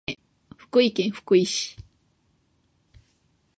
福井県福井市